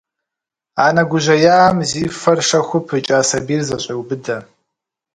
Анэ гужьеям зи фэр шэхуу пыкӏа сабийр зэщӏеубыдэ.